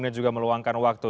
ini juga meluangkan waktu